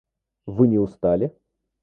Вы не устали?